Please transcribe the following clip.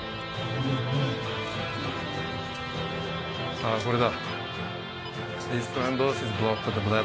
ああこれだ。